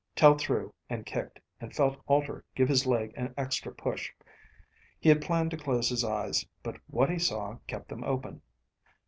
Tel threw and kicked, and felt Alter give his leg an extra push. He had planned to close his eyes, but what he saw kept them open.